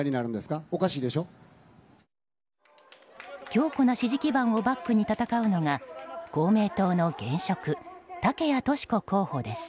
強固な支持基盤をバックに戦うのは公明党の現職竹谷とし子候補です。